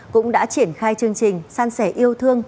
cũng đã triển khai chương trình san sẻ yêu thương